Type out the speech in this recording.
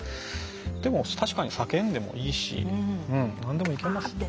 でも、確かに叫んでもいいしなんでもいけますよね。